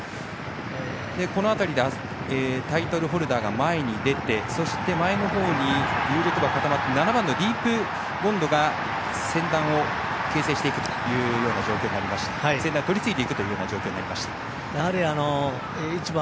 この辺りでタイトルホルダーが前に出てそして、前のほうに有力馬が固まって７番ディープボンドが先団をとりついていくという状況になりました。